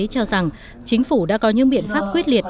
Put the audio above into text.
cho rằng chính phủ đã có những biện pháp quyết liệt